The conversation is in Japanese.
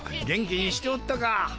元気にしておったか。